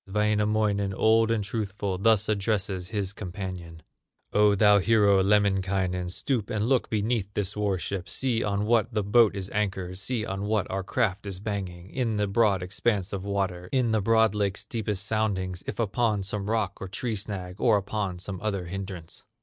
Wainamoinen, old and truthful, Thus addresses his companion: "O thou hero, Lemminkainen, Stoop and look beneath this war ship, See on what this boat is anchored, See on what our craft is hanging, In this broad expanse of water, In the broad lake's deepest soundings, If upon some rock or tree snag, Or upon some other hindrance."